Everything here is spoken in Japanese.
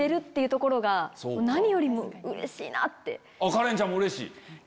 カレンちゃんもうれしい？